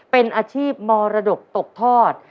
เป็นอาชีพมรดกตกทอด